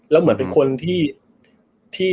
แล้วเหมือนเป็นคนที่